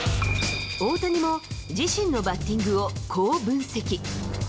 大谷も、自身のバッティングをこう分析。